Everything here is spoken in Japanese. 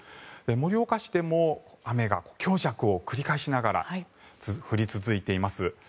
盛岡市でも雨が強弱を繰り返しながら降り続いています。